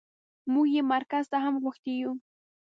موږ يې مرکز ته هم غوښتي يو.